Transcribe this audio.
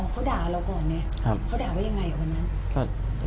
เขาด่าเราก่อนเนี่ยเขาด่าว่ายังไงวันนั้น